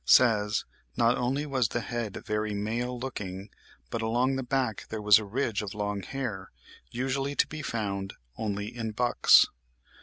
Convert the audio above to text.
363), says, "not only was the head very male looking, but along the back there was a ridge of long hair, usually to be found only in bucks.")